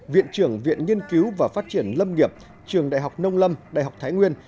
viện trưởng viện nghiên cứu và phát triển lâm nghiệp trường đại học nông lâm đại học thái nguyên